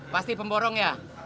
pasti pemborong ya